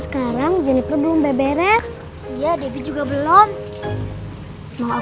enggak ibu udah barisin semuanya